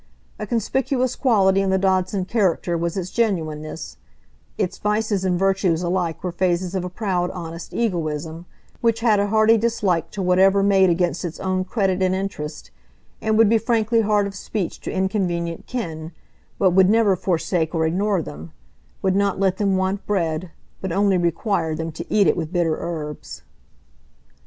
A conspicuous quality in the Dodson character was its genuineness; its vices and virtues alike were phases of a proud honest egoism, which had a hearty dislike to whatever made against its own credit and interest, and would be frankly hard of speech to inconvenient "kin," but would never forsake or ignore them,—would not let them want bread, but only require them to eat it with bitter herbs.